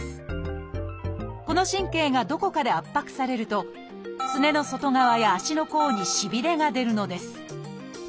この神経がどこかで圧迫されるとすねの外側や足の甲にしびれが出るのです。